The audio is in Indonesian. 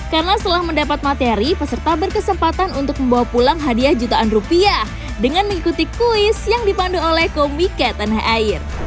karena setelah mendapat materi peserta berkesempatan untuk membawa pulang hadiah jutaan rupiah dengan mengikuti kuis yang dipandu oleh komika tanah air